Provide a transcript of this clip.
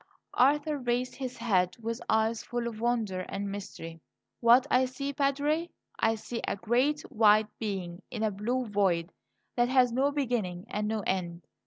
Arthur raised his head with eyes full of wonder and mystery. "What I see, Padre? I see a great, white being in a blue void that has no beginning and no end.